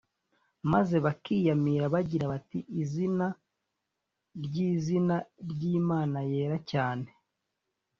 maze bakiyamira bagira bati izina ry iizina ry imana yera cyane